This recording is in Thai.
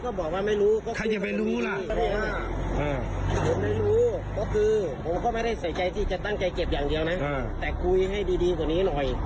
ก็บอกว่าไม่รู้ก็ใครจะไปรู้ล่ะผมไม่รู้ก็คือผมก็ไม่ได้ใส่ใจที่จะตั้งใจเก็บอย่างเดียวนะแต่คุยให้ดีกว่านี้หน่อย